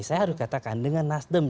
saya harus katakan dengan nasdem